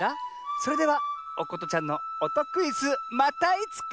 それではおことちゃんのおとクイズまたいつか！